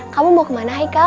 kamu mau kemana haikel